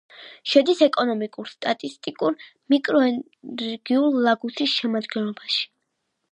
შედის ეკონომიკურ-სტატისტიკურ მიკრორეგიონ ლაგუსის შემადგენლობაში.